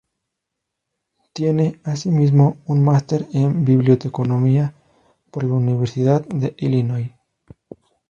Tiene, así mismo, un Máster en Biblioteconomía por la Universidad de Illinois.